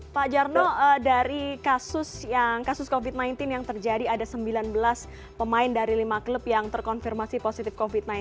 pak jarno dari kasus covid sembilan belas yang terjadi ada sembilan belas pemain dari lima klub yang terkonfirmasi positif covid sembilan belas